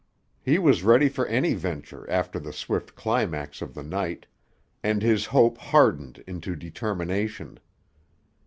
He was ready for any venture after the swift climax of the night, and his hope hardened into determination.